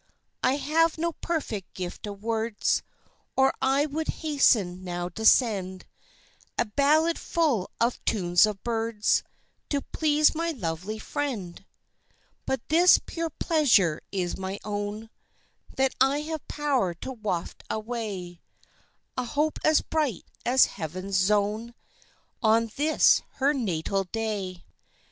I have no perfect gift of words, Or I would hasten now to send A ballad full of tunes of birds To please my lovely friend. But this pure pleasure is my own, That I have power to waft away A hope as bright as heaven's zone On this her natal day.